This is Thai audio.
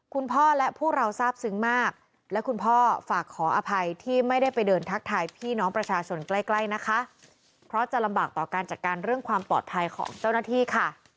คุณพ่อและพวกเราทราบซึ้งมากและคุณพ่อฝากขออภัยที่ไม่ได้ไปเดินทักทายพี่น้องประชาชนใกล้ใกล้นะคะเพราะจะลำบากต่อการจัดการเรื่องความปลอดภัยของเจ้าหน้าที่ค่ะ